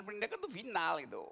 penindakan itu final